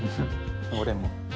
俺も。